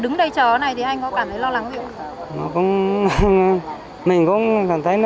giờ đứng đây chờ này thì anh có cảm thấy lo lắng gì không